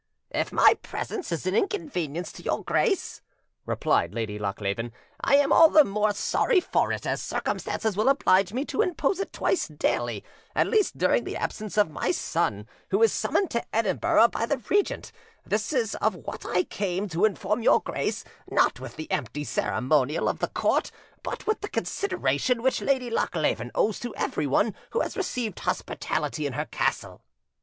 "If my presence is inconvenient to your grace," replied Lady Lochleven, "I am all the more sorry for it, as circumstances will oblige me to impose it twice daily, at least during the absence of my son, who is summoned to Edinburgh by the regent; this is of what I came to inform your grace, not with the empty ceremonial of the court, but with the consideration which Lady Lochleven owes to everyone who has received hospitality in her castle."